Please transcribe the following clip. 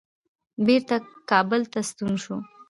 بیرته کابل ته ستون شو.